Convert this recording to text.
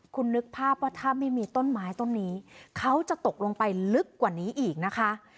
คุณนึกภาพว่าถ้าไม่มีต้นไม้ต้นนี้เขาจะตกลงไปลึกกว่านี้อีกนะคะ